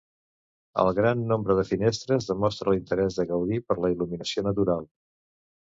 El gran nombre de finestres demostra l'interès de Gaudí per la il·luminació natural.